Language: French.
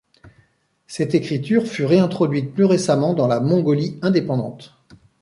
Cette écriture fut réintroduite plus récemment dans la Mongolie indépendante.